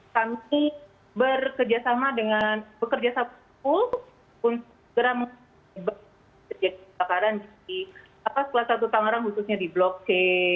nanti bekerja sama dengan bekerja sama pun segera mengembangkan terjadi kebakaran di kapas kelas satu tangerang khususnya di blok c dua